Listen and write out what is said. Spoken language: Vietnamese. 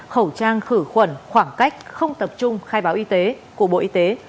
khẩu trang khử khuẩn khoảng cách không tập trung khai báo y tế của bộ y tế